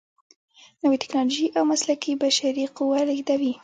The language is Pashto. نوې ټیکنالوجې او مسلکي بشري قوه لیږدوي.